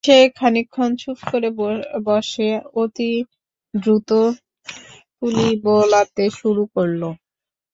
সে খানিকক্ষণ চুপ করে বসে, অতি দ্রুত তুলি বোলাতে শুরু করল।